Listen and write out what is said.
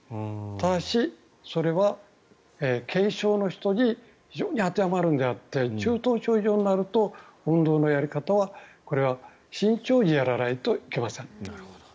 ただし、それは軽症の人に非常に当てはまるのであって中等症以上になりますと運動のやり方はこれは慎重にやらないといけません。